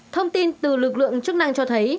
thông tin từ lực lượng chức năng cho thấy